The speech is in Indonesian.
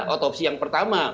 otopsi yang pertama